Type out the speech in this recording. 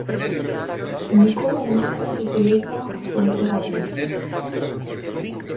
Никола им испрати телеграма на своите роднини.